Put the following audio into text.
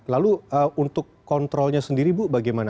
lalu untuk kontrolnya sendiri bu bagaimana